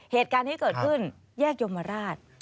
เหตุการณ์ที่เกิดขึ้นแยกยมราช